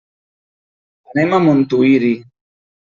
Anem a Montuïri.